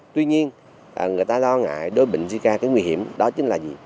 tuy nhiên người ta lo ngại đối bệnh zika cái nguy hiểm đó chính là gì